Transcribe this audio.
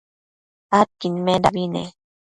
adquidmendabi ne